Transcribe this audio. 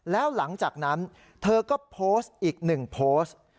แล้วหลังจากนั้นเธอก็โพสต์อีกหนึ่งโพสต์